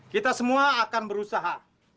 kita semua akan berusaha